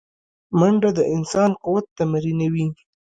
منډه د انسان قوت تمرینوي